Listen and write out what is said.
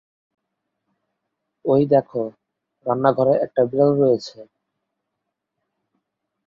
ওই দেখো! রান্নাঘরে একটা বিড়াল রয়েছে!